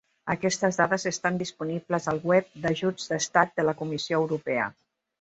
Aquestes dades estan disponibles al web d'Ajuts d'Estat de la Comissió Europea.